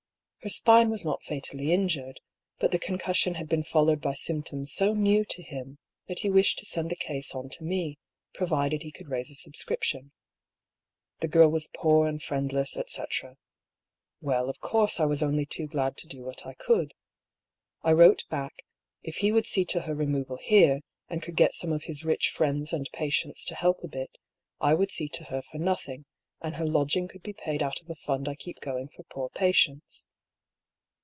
Her spine was not fatally injured, but the concussion had been fol lowed by symptoms so new to him that he wished to send the case on to me, provided he could raise a sub scription. The girl was poor and friendless, etcetera. Well, of course, I was only too glad to do what I could. I wrote back, if he would see to her removal here, and could get some of his rich friends and patients to help a bit, I would see to her for nothing, and her lodging could be paid out of a fund I keep going for poor pa tients.